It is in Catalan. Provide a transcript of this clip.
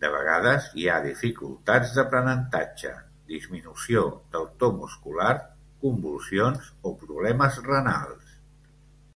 De vegades, hi ha dificultats d'aprenentatge, disminució del to muscular, convulsions o problemes renals.